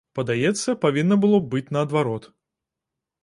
Падаецца, павінна было б быць наадварот.